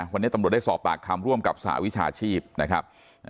วันนี้ตำรวจได้สอบปากคำร่วมกับสหวิชาชีพนะครับ